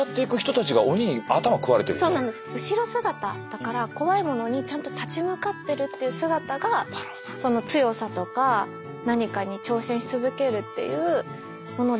後ろ姿だから怖いものにちゃんと立ち向かってるっていう姿がその強さとか何かに挑戦し続けるっていうもので縁起物なんですよね。